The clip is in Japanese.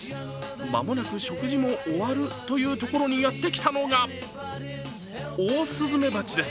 間もなく食事も終わるというところにやってきたのがオオスズメバチです。